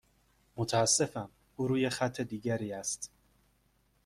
متاسفم، او روی خط دیگری است.